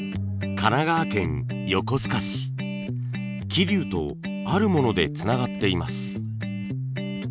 桐生とあるものでつながっています。